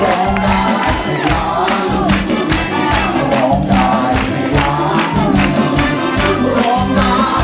ร้องได้ให้ร้อง